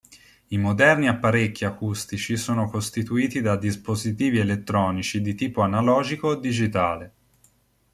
I moderni apparecchi acustici sono costituiti da dispositivi elettronici di tipo analogico o digitale.